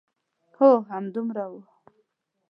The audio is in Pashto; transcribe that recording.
هو، همدومره و.